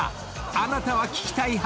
あなたは聞きたい派？］